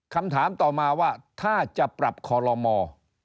คำถามต่อมาว่าถ้าจะปรับคอลโลมอร์